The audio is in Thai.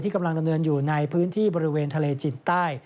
กำลังดำเนินอยู่ในพื้นที่บริเวณทะเลจินใต้